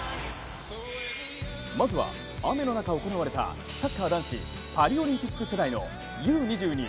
まずは雨の中、行われたサッカー男子パリオリンピック世代のＵ−２２